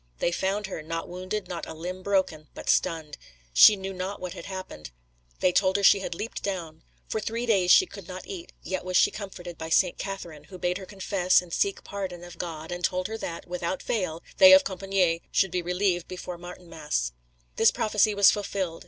They found her, not wounded, not a limb broken, but stunned. She knew not what had happened; they told her she had leaped down For three days she could not eat, "yet was she comforted by St. Catherine, who bade her confess and seek pardon of God, and told her that, without fail, they of Compičgne should be relieved before Martinmas." This prophecy was fulfilled.